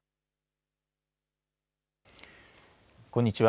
こんにちは。